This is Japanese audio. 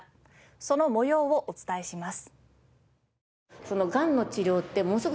その模様をお伝えします。